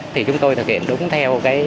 thì chúng tôi thực hiện đúng theo